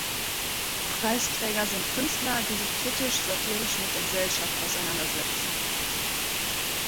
Preisträger sind Künstler, die sich kritisch-satirisch mit der Gesellschaft auseinandersetzen.